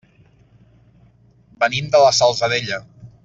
Venim de la Salzadella.